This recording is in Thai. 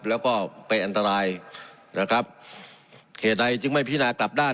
แล้วก็เป็นอันตรายนะครับเหตุใดจึงไม่พินากลับด้าน